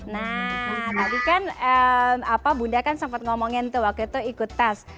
nah tadi kan bunda kan sempat ngomongin tuh waktu itu ikut tes